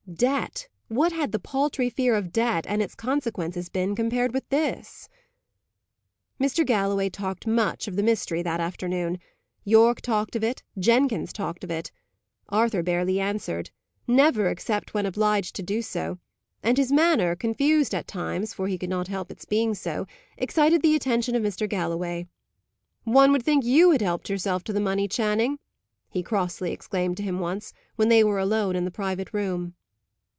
Debt! what had the paltry fear of debt and its consequences been compared with this? Mr. Galloway talked much of the mystery that afternoon; Yorke talked of it; Jenkins talked of it. Arthur barely answered; never, except when obliged to do so; and his manner, confused at times, for he could not help its being so, excited the attention of Mr. Galloway. "One would think you had helped yourself to the money, Channing!" he crossly exclaimed to him once, when they were alone in the private room.